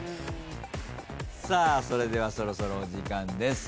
さあそれではそろそろお時間です。